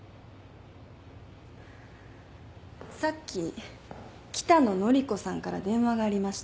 さっき北野乃里子さんから電話がありました。